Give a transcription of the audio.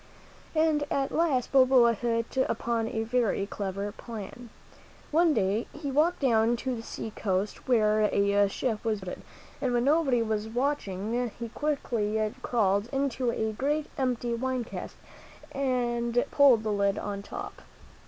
And at last Balboa hit upon a very clever plan. One day he walked down to the sea coast, where a ship was being loaded, and when nobody was watching he quickly crawled into a great empty wine cask and pulled the lid on the top.